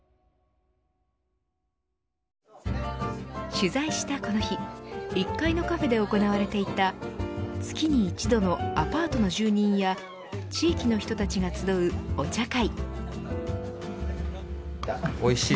取材したこの日１階のカフェで行われていた月に一度のアパートの住人や地域の人たちが集うお茶会。